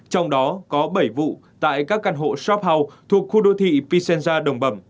trong đó có bảy vụ tại các căn hộ shop house thuộc khu đô thị pisenza đồng bẩm